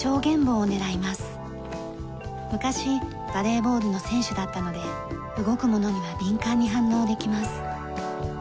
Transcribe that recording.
昔バレーボールの選手だったので動くものには敏感に反応できます。